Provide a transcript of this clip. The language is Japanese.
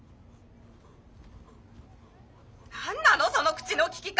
☎何なのその口の利き方！